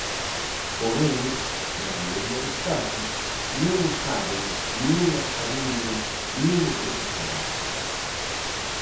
Porén, na maioría dos casos, non o saben nin as familias nin o profesorado.